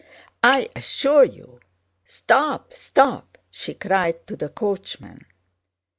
I assure you! Stop, stop!" she cried to the coachman.